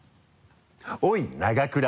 おい永倉。